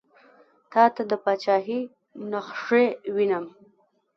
تاته د پاچهي نخښې وینم.